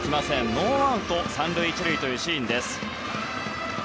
ノーアウト３塁１塁というシーンです。